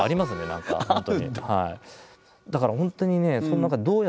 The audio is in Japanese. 何か本当